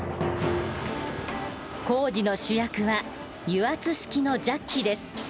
工事の主役は油圧式のジャッキです。